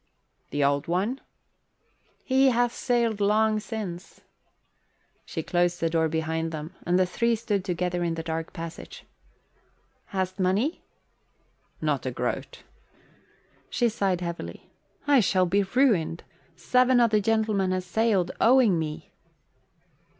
"The Old One?" "He hath sailed long since." She closed the door behind them, and the three stood together in the dark passage. "Hast money?" "Not a groat." She sighed heavily. "I shall be ruined. Seven o' the gentlemen ha' sailed owing me."